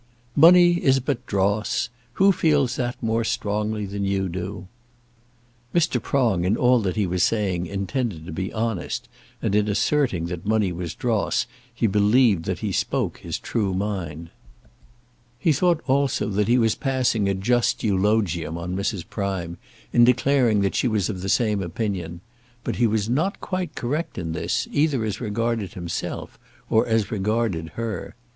"Money is but dross. Who feels that more strongly than you do?" Mr. Prong in all that he was saying intended to be honest, and in asserting that money was dross, he believed that he spoke his true mind. He thought also that he was passing a just eulogium on Mrs. Prime, in declaring that she was of the same opinion. But he was not quite correct in this, either as regarded himself, or as regarded her.